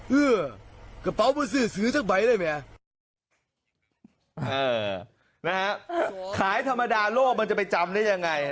เออนะครับขายธรรมดาคนนี้มันจะไปจำได้ไง